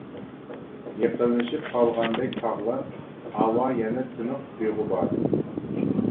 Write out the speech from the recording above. يېقىنلىشىپ قالغاندەك تاغلار، ھاۋا يەنە تىنىق، بىغۇبار.